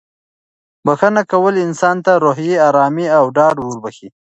بښنه کول انسان ته روحي ارامي او ډاډ وربښي.